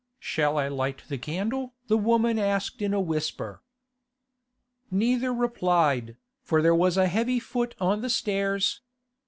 'Shall I light the candle?' the woman asked in a whisper. Neither replied, for there was a heavy foot on the stairs.